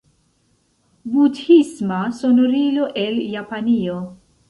Budhisma sonorilo el Japanio.